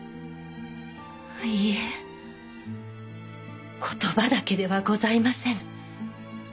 いいえ言葉だけではございませぬ。